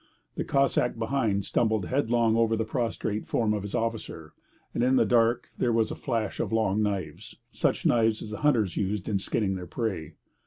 The Cossack behind stumbled headlong over the prostrate form of his officer; and in the dark there was a flash of long knives such knives as the hunters used in skinning their prey.